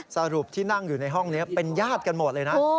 สรุปที่นั่งอยู่ในห้องนี้เป็นญาติกันหมดเลยนะ